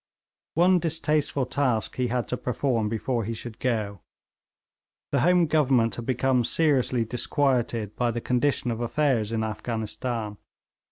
One distasteful task he had to perform before he should go. The Home Government had become seriously disquieted by the condition of affairs in Afghanistan.